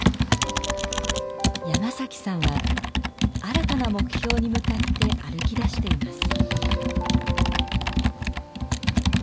山さんは新たな目標に向かって歩きだしています。